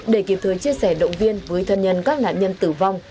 để kịp thời chia sẻ động viên với thân nhân các nạn nhân tử vong